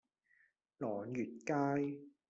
朗月街